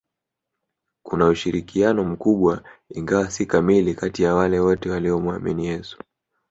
Kuna ushirikiano mkubwa ingawa si kamili kati ya wale wote waliomuamini Yesu